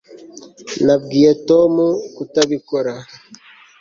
Nabwiye Tom kutabikora